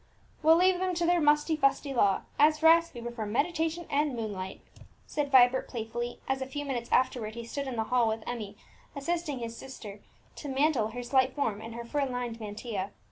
"We'll leave them to their musty fusty law; as for us, we prefer meditation and moonlight!" said Vibert playfully, as a few minutes afterwards he stood in the hall with Emmie, assisting his sister to mantle her slight form in her fur lined mantilla.